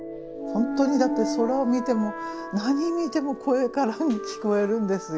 ほんとにだって空を見ても何見ても声聞こえるんですよ。